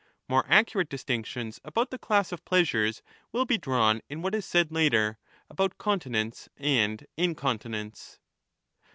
More accurate distinctions about the class of pleasures will be drawn in what is said later ^ about continence and incontinence.